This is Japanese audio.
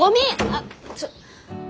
あっちょっと。